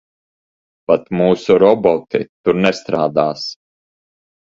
Pat mūsu roboti tur nestrādās.